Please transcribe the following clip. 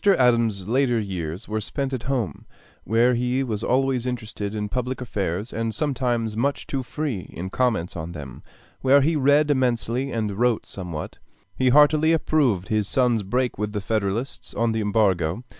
Adams's later years were spent at home, where he was always interested in public affairs and sometimes much too free in comments on them; where he read immensely and wrote somewhat. He heartily approved his son's break with the Federalists on the Embargo.